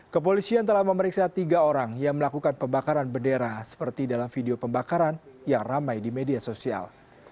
kepolisian telah memeriksa tiga orang yang melakukan pembakaran bendera seperti dalam video pembakaran yang ramai di media sosial